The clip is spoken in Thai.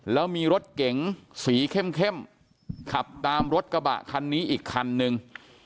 แล้วมีรถเก๋งสีเข้มขับตามรถกระบะคันนี้อีกคันนึง